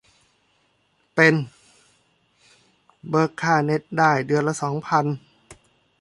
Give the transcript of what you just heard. เป็น เบิกค่าเน็ตได้เดือนละสองพัน